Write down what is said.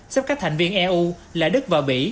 xếp các thành viên eu lạ đức và mỹ